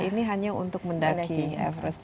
ini hanya untuk mendaki everest